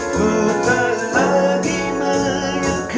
ku tak lagi makan